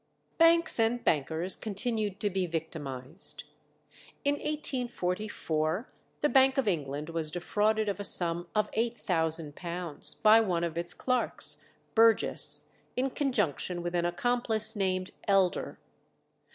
Banks and bankers continued to be victimized. In 1844 the Bank of England was defrauded of a sum of £8000 by one of its clerks, Burgess, in conjunction with an accomplice named Elder.